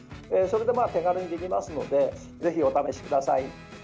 手軽にできるますのでぜひお試しください。